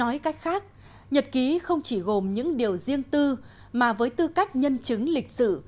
nói cách khác nhật ký không chỉ gồm những điều riêng tư mà với tư cách nhân chứng lịch sử